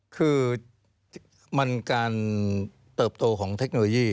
คือมันการเติบโตของเทคโนโลยี